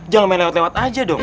jangan melewat lewat aja dong